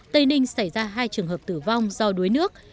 tây ninh xảy ra hai trường hợp tử vong do đuối nước